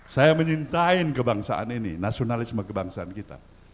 saya mencintai kebangsaan ini nasionalisme kebangsaan kita